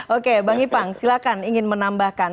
oke bang ipang silakan ingin menambahkan